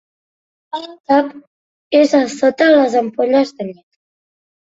El cap és a sota les ampolles de llet.